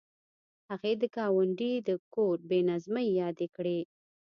هغې د ګاونډي د کور بې نظمۍ یادې کړې